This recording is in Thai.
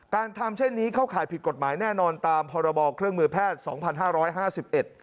การทำเช่นนี้เข้าข่ายผิดกฎหมายแน่นอนตามพรบเครื่องมือแพทย์สองพันห้าร้อยห้าสิบเอ็ด